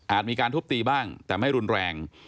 มีการทุบตีบ้างแต่ไม่รุนแรง